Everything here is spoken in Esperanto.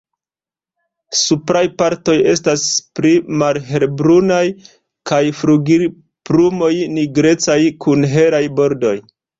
Supraj partoj estas pli malhelbrunaj kaj flugilplumoj nigrecaj kun helaj bordoj.